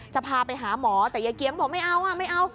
จะพาไปหาหมอแต่ยายเกียมบอกไม่เอา